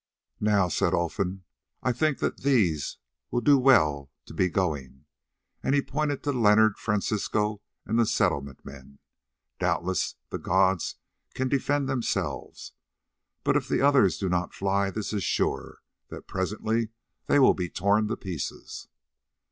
"Now," said Olfan, "I think that these will do well to be going," and he pointed to Leonard, Francisco, and the Settlement men. "Doubtless the gods can defend themselves, but if the others do not fly this is sure, that presently they will be torn to pieces."